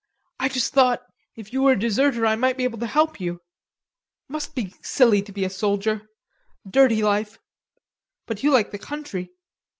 "I just thought, if you were a deserter, I might be able to help you. Must be silly to be a soldier. Dirty life.... But you like the country.